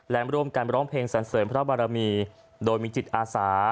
และร่วมกันร้องเพลงสันเสริมพระบารมีโดยมีจิตอาสา